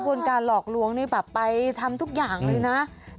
คนการหลอกลวงนี่แบบไปทำทุกอย่างเลยนะ